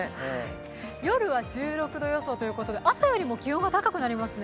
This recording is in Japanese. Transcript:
夜は１６度予想ということで朝より気温が高くなりますね。